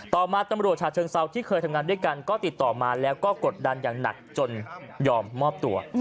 ต่อมาตำรวจฉะเชิงเซาที่เคยทำงานด้วยกันก็ติดต่อมาแล้วก็กดดันอย่างหนักจนยอมมอบตัว